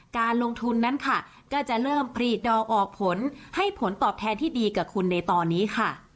การลงทุนนั้นค่ะก็จะเริ่มผลีดอกออกผลให้ผลตอบแทนที่ดีกับคุณในตอนนี้ค่ะ